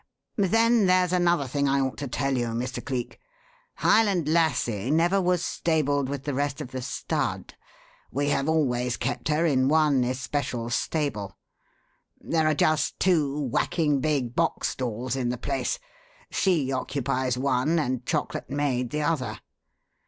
Then there's another thing I ought to tell you, Mr. Cleek: Highland Lassie never was stabled with the rest of the stud. We have always kept her in one especial stable. There are just two whacking big box stalls in the place. She occupies one and Chocolate Maid the other.